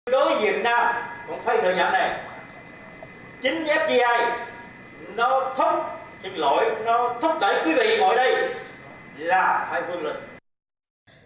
đối với việt nam cũng phải thử nhận này chính fdi nó thúc xin lỗi nó thúc đẩy quý vị ngồi đây là phải vô lực